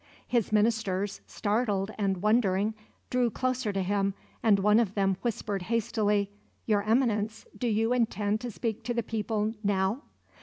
His ministers, startled and wondering, drew closer to him and one of them whispered hastily: "Your Eminence, do you intend to speak to the people now?"